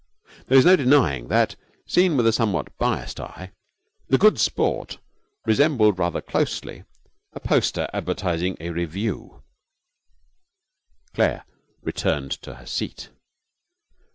There is no denying that, seen with a somewhat biased eye, the Good Sport resembled rather closely a poster advertising a revue. Claire returned to her seat.